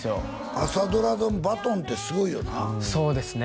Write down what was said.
朝ドラのバトンってすごいよなそうですね